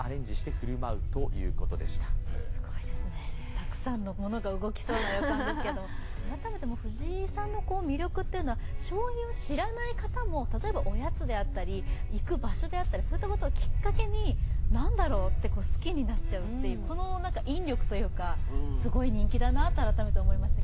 たくさんのものが動きそうな予感ですけど、改めて藤井さんの魅力というのは将棋を知らない方も例えば、おやつであったり行く場所であったりそういったことをきっかけになんだろうと好きになっちゃうっていう引力というか、すごい人気だなと改めて思いました。